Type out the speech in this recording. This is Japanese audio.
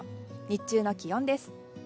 日中の気温です。